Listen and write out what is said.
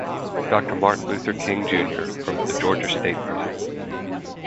Doctor Martin Luther King Junior from the Georgia State Prison.